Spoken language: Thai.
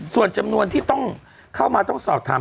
ส่วนจำนวนที่ต้องเข้ามาต้องสอบถาม